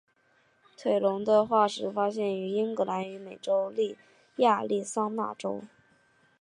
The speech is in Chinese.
腿龙的化石发现于英格兰与美国亚利桑那州。